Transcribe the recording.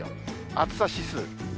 暑さ指数。